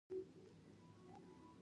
ذوحیاتین کوم حیوانات دي؟